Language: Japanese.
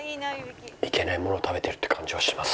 いけないもの食べてるって感じはします。